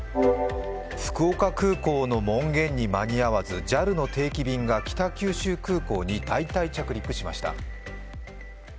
福岡空港の門限に間に合わずＪＡＬの定期便が北九州空港に代替着陸しました。